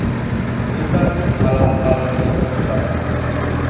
নুকাত `আলা আল-মুহাদ্দাব